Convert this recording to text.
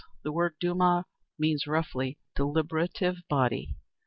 _ The word duma means roughly "deliberative body."